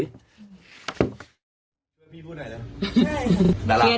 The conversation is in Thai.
เจอพี่พูดอะไรแล้ว